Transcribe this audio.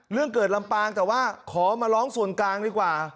เรื่องเกิดลำปางแต่ว่าขอมาร้องส่วนกลางดีกว่า